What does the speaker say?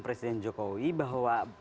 presiden jokowi bahwa